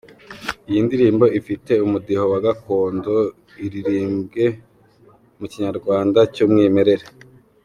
Iyi indirimbo ifite umudiho wa gakondo, iririmbwe mu Kinyarwanda cy’umwimerere.